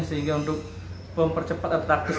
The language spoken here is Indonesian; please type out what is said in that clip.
sehingga untuk mempercepat praktis